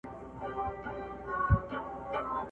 تږیو ذوقونو ته دې مبارک وي